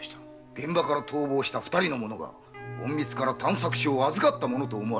現場から逃亡した二人が隠密から探索書を預かったと思われます。